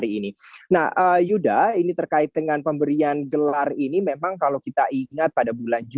rektor dari universitas pukyong national university yuda ini terkait dengan pemberian gelar ini memang kalau kita ingat pada bulan juli yang lalu